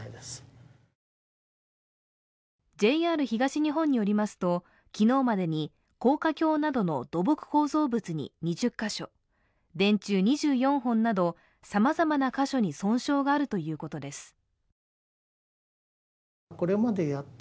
ＪＲ東日本によりますと、昨日までに高架橋などの土木構造物に２０カ所電柱２４本などさまざまな箇所に損傷があるということです。